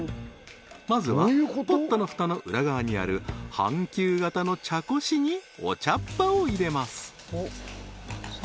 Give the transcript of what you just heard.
まずはポットのふたの裏側にある半球形の茶こしにお茶っ葉を入れます